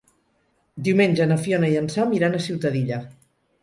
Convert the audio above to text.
Diumenge na Fiona i en Sam iran a Ciutadilla.